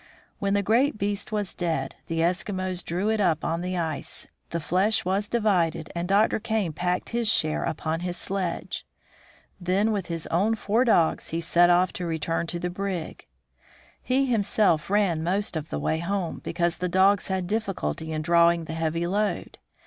When the great beast was dead, the Eskimos drew it up on the ice, the flesh was divided, and Dr. Kane packed his share upon his sledge. Then with his own four dogs he set out to return to the brig. He himself ran most of the way home, because the dogs had difficulty in draw ing the heavy load.